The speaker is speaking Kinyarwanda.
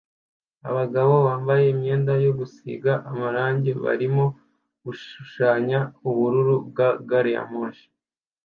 Abagabo bambaye imyenda yo gusiga irangi barimo gushushanya ubururu bwa gari ya moshi